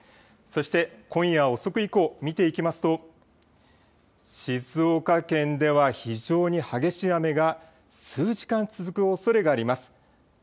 そして今夜遅く以降、見ていきますと静岡県では非常に激しい雨が数時間続くおそれがあります。